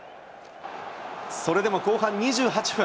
それでも後半２８分。